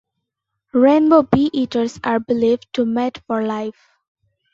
Rainbow bee-eaters are believed to mate for life.